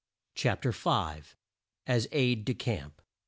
CHAPTER V. AS AIDE DE CAMP.